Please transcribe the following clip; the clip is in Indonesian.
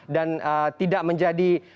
dan tidak menjadi